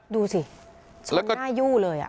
ดูสิชนหน้ายู้เลยอะ